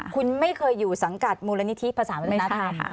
คุณไม่เคยอยู่สังกัดมูลนิธิประสานวินาทธรรม